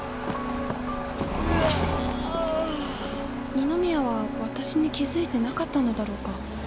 二宮は私に気付いてなかったのだろうか